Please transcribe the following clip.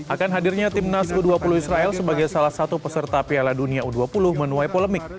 akan hadirnya timnas u dua puluh israel sebagai salah satu peserta piala dunia u dua puluh menuai polemik